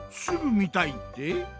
すぐみたいって？